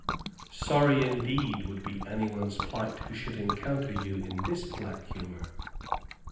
"Sorry indeed would be anyone's plight who should encounter you in this black humor."